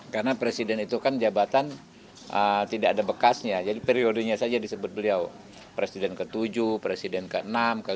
karena presiden itu kan jabatan tidak ada bekasnya jadi periodenya saja disebut beliau presiden ke tujuh presiden ke enam ke lima